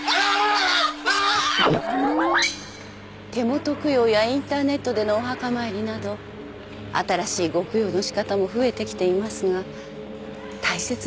手元供養やインターネットでのお墓参りなど新しいご供養の仕方も増えてきていますが大切なのは故人をしのぶ気持ち。